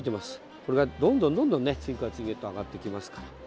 これがどんどん次から次へと上がってきますから。